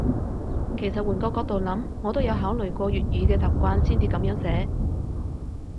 其實換個角度諗，我都有考慮過粵語嘅習慣先至噉樣寫